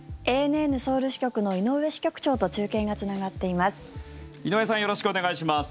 ＡＮＮソウル支局の井上支局長と中継がつながっています。